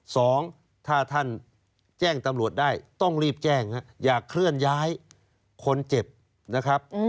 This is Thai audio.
สองถ้าท่านแจ้งตำรวจได้ต้องรีบแจ้งอย่าเคลื่อนย้ายคนเจ็บนะครับ